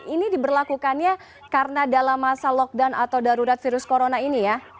ini diberlakukannya karena dalam masa lockdown atau darurat virus corona ini ya